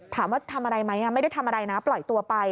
ถามว่าทำอะไรไหมไม่ได้ทำอะไรนะปล่อยตัวไป